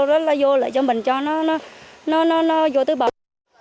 rất là vô lại cho mình cho nó nó nó nó vô tư bậc